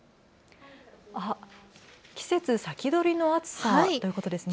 季節先取りの暑さということですね。